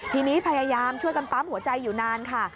ทีนี้พยายามช่วยกันปั๊มหัวใจอยู่นานค่ะ